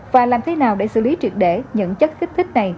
và làm thế nào để xử lý triệt để những chất kích thích này